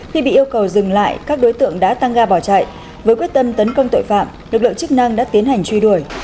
khi bị yêu cầu dừng lại các đối tượng đã tăng ga bỏ chạy với quyết tâm tấn công tội phạm lực lượng chức năng đã tiến hành truy đuổi